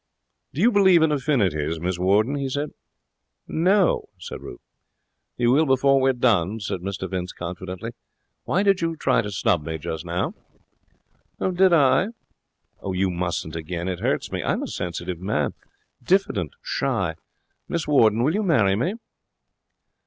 'Do you believe in affinities, Miss Warden?' he said, 'No,' said Ruth. 'You will before we've done,' said Mr Vince, confidently. 'Why did you try to snub me just now?' 'Did I?' 'You mustn't again. It hurts me. I'm a sensitive man. Diffident. Shy. Miss Warden, will you marry me?'